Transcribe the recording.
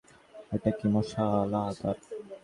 এটা কি মশলাদার?